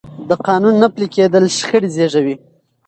د قانون نه پلي کېدل شخړې زېږوي